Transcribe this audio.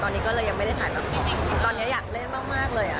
ตอนนี้ก็เลยยังไม่ได้ถ่ายแบบตอนนี้อยากเล่นมากเลย